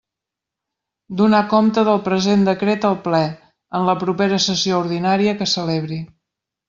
Donar compte del present decret al Ple, en la propera sessió ordinària que celebri.